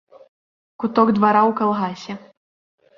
Куток двара ў калгасе.